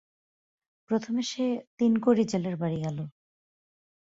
প্রথমে সে তিনকড়ি জেলের বাড়ি গেল।